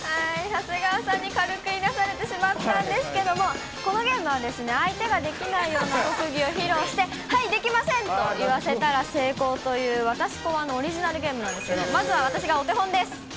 長谷川さんに軽くいなされてしまったんですけれども、このゲームは相手ができないような特技を披露して、はい、できませんと言わせたら成功という、私考案のオリジナルゲームなんですけど、まずは私がお手本です。